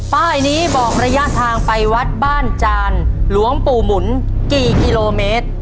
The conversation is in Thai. ป้ายนี้บอกระยะทางไปวัดบ้านจานหลวงปู่หมุนกี่กิโลเมตร